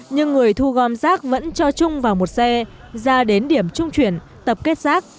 nhưng người thu gom rác vẫn cho chung vào một xe ra đến điểm trung chuyển tập kết rác